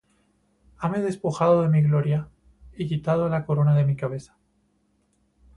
Hame despojado de mi gloria, Y quitado la corona de mi cabeza.